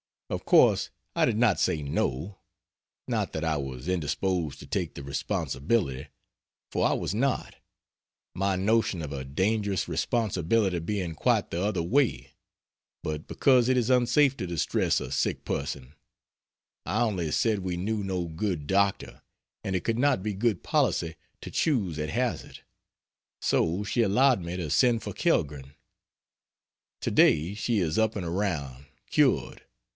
Of course I did not say no not that I was indisposed to take the responsibility, for I was not, my notion of a dangerous responsibility being quite the other way but because it is unsafe to distress a sick person; I only said we knew no good doctor, and it could not be good policy to choose at hazard; so she allowed me to send for Kellgren. To day she is up and around cured.